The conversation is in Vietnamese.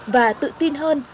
và tự tin hơn